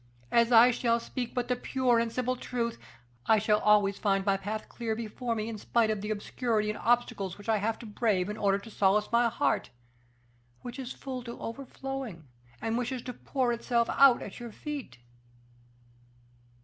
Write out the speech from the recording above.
As I shall speak but the pure and simple truth, I shall always find my path clear before me in spite of the obscurity and obstacles I have to brave in order to solace my heart, which is full to overflowing, and wishes to pour itself out at your feet."